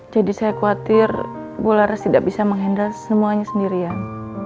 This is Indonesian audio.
jadi saya khawatir bu laras tidak bisa mengendal semuanya sendirian